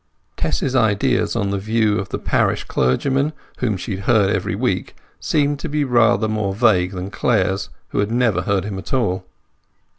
Tess's ideas on the views of the parish clergyman, whom she heard every week, seemed to be rather more vague than Clare's, who had never heard him at all.